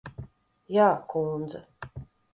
Jā, kundze.